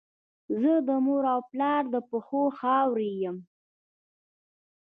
زه د مور او پلار د پښو خاوره یم.